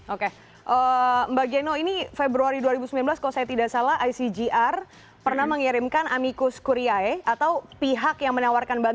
oke mbak geno ini februari dua ribu sembilan belas kalau saya tidak salah icgr pernah mengirimkan amicus kuriae atau pihak yang menawarkan bantuan